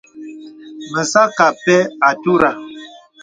Mə̀ sə̄ akɛ̄ apɛ àturə.